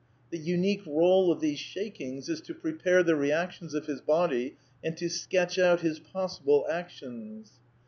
the unique role of these shakings is to prepare the reactions of his body and to sketch out his possible actions ('* actions virtuelles ").